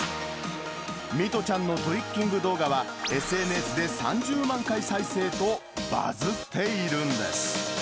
弥都ちゃんのトリッキング動画は、ＳＮＳで３０万回再生と、バズっているんです。